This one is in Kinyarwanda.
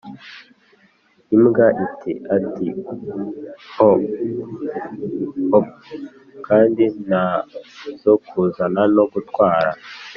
imbwa iti: "ati" humph! " 'kandi ntazokuzana no gutwara.'